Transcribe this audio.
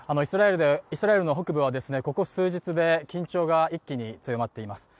イスラエルの北部はここ数日で緊張が一気に強まっています。